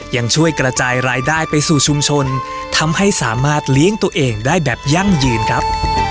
ยังช่วยกระจายรายได้ไปสู่ชุมชนทำให้สามารถเลี้ยงตัวเองได้แบบยั่งยืนครับ